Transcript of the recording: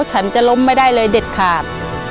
ฉันจะล้มไม่ได้เลยเด็ดขาด